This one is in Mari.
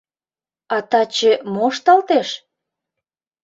А таче мо ышталтеш?